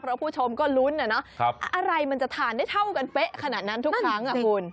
เพราะผู้ชมก็ลุ้นนะอะไรมันจะทานได้เท่ากันเป๊ะขนาดนั้นทุกครั้งอ่ะคุณ